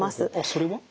それは？